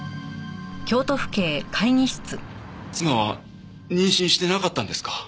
妻は妊娠してなかったんですか？